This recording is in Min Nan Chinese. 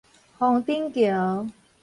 峯頂橋